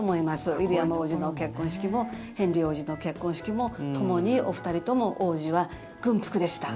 ウィリアム王子の結婚式もヘンリー王子の結婚式もともにお二人とも王子は軍服でした。